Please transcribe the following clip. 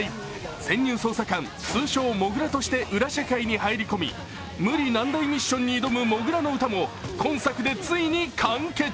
潜入捜査官、通称・モグラとして裏社会に入り込み無理難題ミッションに挑む「土竜の唄」も今作でついに完結。